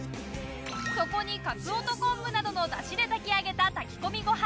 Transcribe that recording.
そこに鰹と昆布などの出汁で炊き上げた炊き込みご飯